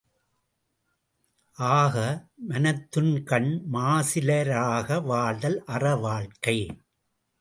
ஆக மனத்துக்கண் மாசிலராக வாழ்தல் அற வாழ்க்கை.